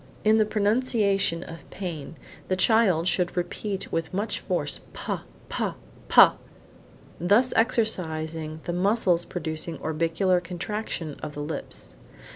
In the pronunciation of pane, the child should repeat with much force, pa, pa, pa, thus exercising the muscles producing orbicular contraction of the lips.